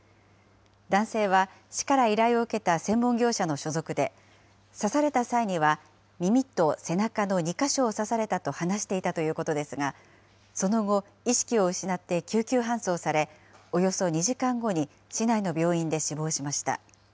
男性は市から依頼を受けた専門業者の所属で、刺された際には、耳と背中の２か所を刺されたと話していたということですが、その後、意識を失って救急搬送され、およそ２時間後に市内の病院で死亡しました。